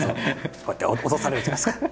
こうやって落とされるじゃないですか。